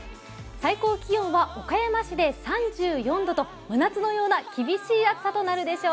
最高気温は岡山市で３４度と真夏のような厳しい暑さとなりそうです。